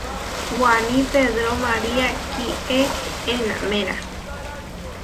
Waní Pedró María kieʼenaméra.